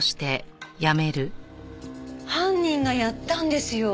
犯人がやったんですよ！